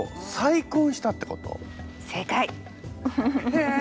へえ！